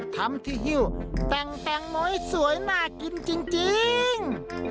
ทำที่ฮิ้วแต่งแตงโมให้สวยน่ากินจริง